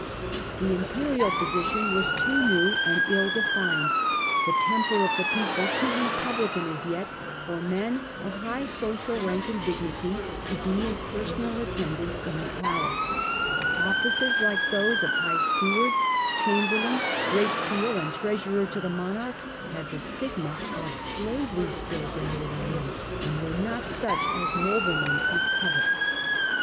The imperial position was too household. ill defined, the temper of the people too republican as yet for men of high social rank and dignity to be in personal attendance in the palace ; offices like those of high steward, chamberlain, great seal, and A.D. 4J 54 Claudius. 85 treasurer to the monarch had the stigma of slavery still branded on them, and were not such as noblemen could covet.